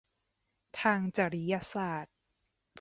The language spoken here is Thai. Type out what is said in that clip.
ทางจริยศาสตร์